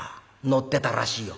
乗ってたらしいよ」。